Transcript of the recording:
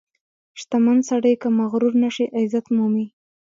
• شتمن سړی که مغرور نشي، عزت مومي.